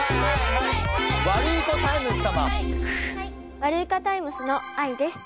ワルイコタイムスのあいです。